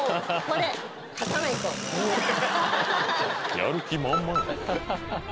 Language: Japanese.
やる気満々！